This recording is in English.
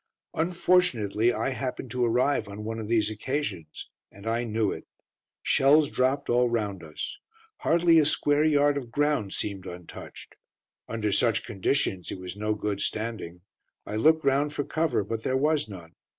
Unfortunately I happened to arrive on one of these occasions, and I knew it. Shells dropped all round us. Hardly a square yard of ground seemed untouched. Under such conditions it was no good standing. I looked round for cover, but there was none.